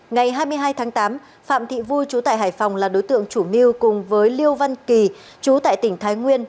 ngày hai mươi hai tháng tám phạm thị vui chú tại hải phòng là đối tượng chủ mưu cùng với liêu văn kỳ chú tại tỉnh thái nguyên